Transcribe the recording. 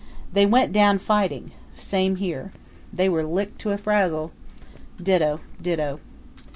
They went down fighting. Same here. They were licked to a frazzle. Ditto, ditto.